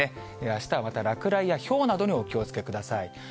あしたはまた落雷やひょうなどにお気をつけください。